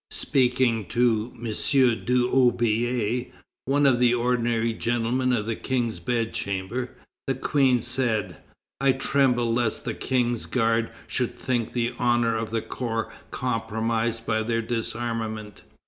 Speaking to M. d'Aubier, one of the ordinary gentlemen of the King's bedchamber, the Queen said: "I tremble lest the King's guard should think the honor of the corps compromised by their disarmament."